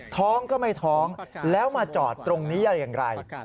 ท้องก็ไม่ท้องแล้วมาจอดตรงนี้อะไรอย่างไร